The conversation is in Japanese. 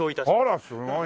あらすごい！